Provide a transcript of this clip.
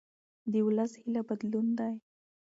د ولس هیله بدلون دی